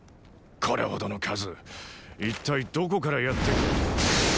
これほどの数一体どこからやって。